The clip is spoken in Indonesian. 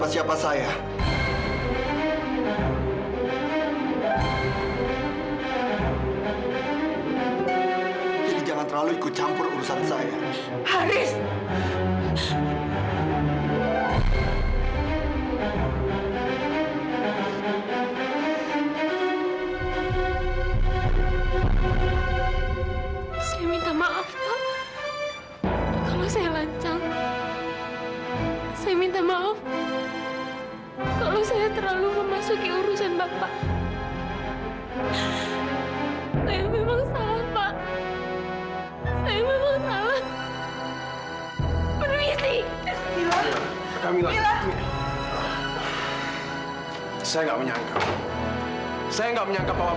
sampai jumpa di video selanjutnya